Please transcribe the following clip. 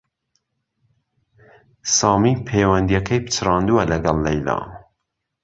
سامی پەیوەندییەکەی پچڕاندووە لەگەڵ لەیلا